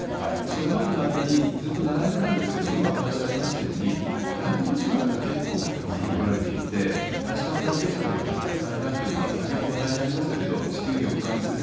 それまでの間にずっと並んでたんですけれども、今お話ありましたように、外国人の方、結構たくさん来られていて、大使館関係者の方、たくさんいたっていうのは先ほど話題になりましたけど、地球儀をふかんする